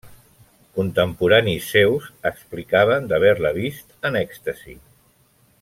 Contemporanis seus explicaven d’haver-la vist en èxtasi.